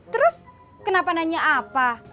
terus kenapa nanya apa